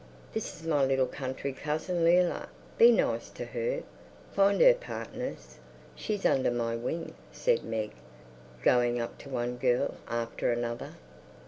"This is my little country cousin Leila. Be nice to her. Find her partners; she's under my wing," said Meg, going up to one girl after another.